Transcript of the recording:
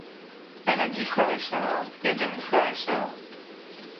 Elle a dix frères et sœurs, et demi-frères et sœurs.